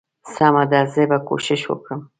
سمه ده زه به کوشش وکړم.